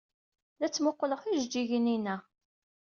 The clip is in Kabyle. La ttmuqquleɣ tijejjigin-inna.